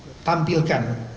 orang yang ditampilkan